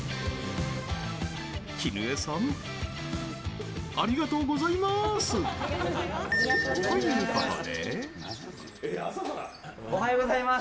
キヌエさんありがとうございます！ということで。